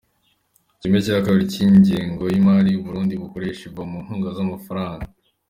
kimwe cya kabiri cy’ ingengo y’ imari u Burundi bukoresha iva mu nkunga z’ amafaranga.